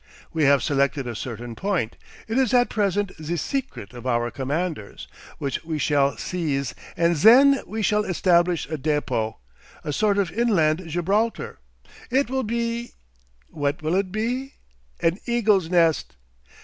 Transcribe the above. We have selected a certain point it is at present ze secret of our commanders which we shall seize, and zen we shall establish a depot a sort of inland Gibraltar. It will be what will it be? an eagle's nest.